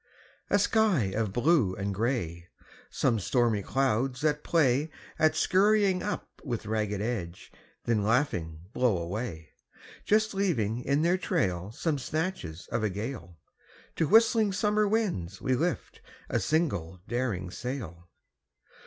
A sky of blue and grey; Some stormy clouds that play At scurrying up with ragged edge, then laughing blow away, Just leaving in their trail Some snatches of a gale; To whistling summer winds we lift a single daring sail.